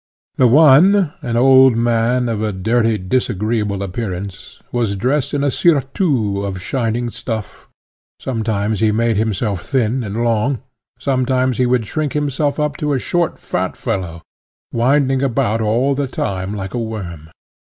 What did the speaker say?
The one, an old man, of a dirty, disagreeable appearance, was dressed in a surtout of shining stuff. Sometimes he made himself thin and long, sometimes he would shrink himself up to a short fat fellow, winding about all the time like a worm.